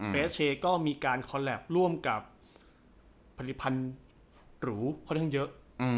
เบสเชย์ก็มีการคอลลาบร่วมกับผลิตภัณฑ์หรูเพราะฉะนั้นเยอะ